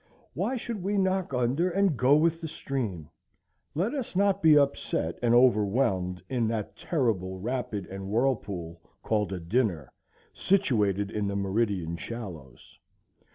Why should we knock under and go with the stream? Let us not be upset and overwhelmed in that terrible rapid and whirlpool called a dinner, situated in the meridian shallows.